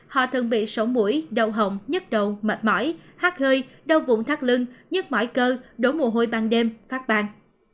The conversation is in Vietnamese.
họ thường bị sổ mũi đau hồng nhứt đầu mệt mỏi hát hơi đau vụn thắt lưng nhứt mỏi cơ đổ mồ hôi ban đêm phát ban